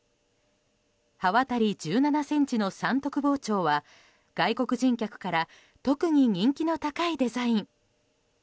刃渡り１７ｃｍの三徳包丁は外国人客から特に人気の高いデザイン。